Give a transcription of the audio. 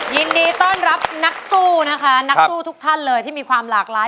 ยินดีต้อนรับนักสู้นะคะนักสู้ทุกท่านเลยที่มีความหลากหลาย